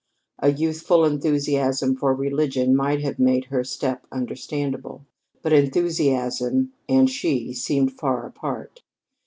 A youthful enthusiasm for religion might have made her step understandable. But enthusiasm and she seemed far apart.